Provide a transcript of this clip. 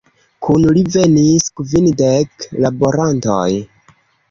Kun li venis kvindek laborantoj.